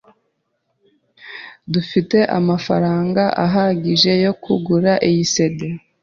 Dufite amafaranga ahagije yo kugura iyi CD.